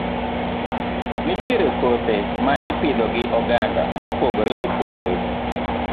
Nitiere kothe ma ipidho gi oganda mopogore opogore.